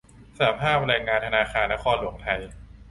สหภาพแรงงานธนาคารนครหลวงไทย